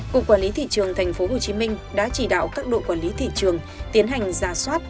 cục quản lý thị trường tp hcm đã chỉ đạo các đội quản lý thị trường tiến hành giả soát